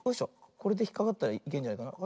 これでひっかかったらいけんじゃないかな。